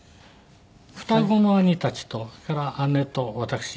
双子の兄たちとそれから姉と私。